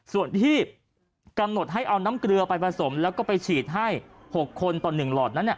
ส่วนที่กำหนดให้เอาน้ำเกลือไปผสมแล้วก็ไปฉีดให้๖คนต่อ๑หลอดนั้น